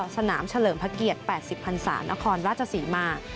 สนามเฉลิมพระเกียรติ๘๐พันศานครราชศรีมา